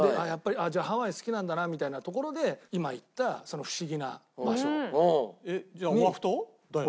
じゃあハワイ好きなんだなみたいなところで今言ったじゃあオアフ島だよね？